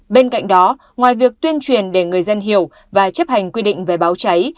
bên cạnh đó ngoài việc tuyên truyền để người dân hiểu và chấp hành quy định về báo cháy